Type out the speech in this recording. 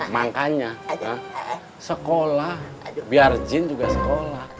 makanya sekolah biar jin juga sekolah